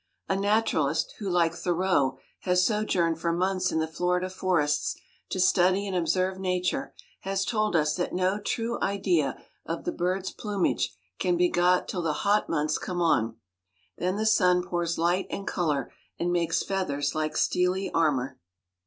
A naturalist, who, like Thoreau, has sojourned for months in the Florida forests to study and observe Nature, has told us that no true idea of the birds' plumage can be got till the hot months come on. Then the sun pours light and color, and makes feathers like steely armor.